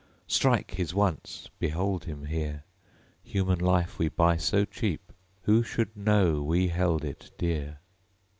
Strike, his once! Behold him here. (Human life we buy so cheap, Who should know we held it dear?)